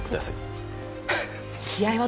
試合は